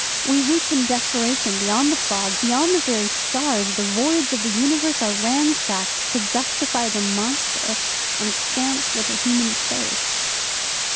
We reach in desperation beyond the fog, beyond the very stars, the voids of the universe are ransacked to justify the monster, and stamped with a human face.